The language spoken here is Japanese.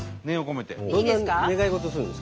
どんな願い事をするんですか？